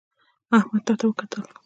احمد تا ته وکتل